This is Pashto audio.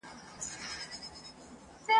نوی ژوند نوی امید ورته پیدا سو !.